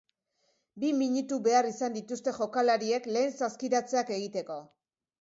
Bi minutu behar izan dituzte jokalariek lehen saskiratzeak egiteko.